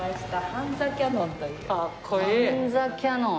ハンザ・キヤノン。